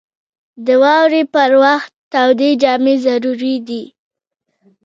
• د واورې پر وخت تودې جامې ضروري دي.